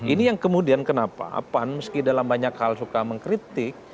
ini yang kemudian kenapa pan meski dalam banyak hal suka mengkritik